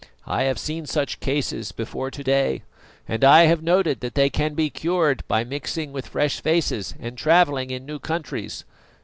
I have seen such cases before to day, and I have noted that they can be cured by mixing with fresh faces and travelling in new countries.